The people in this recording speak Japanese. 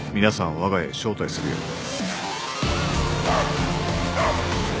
皆さんをわが家へ招待するよ。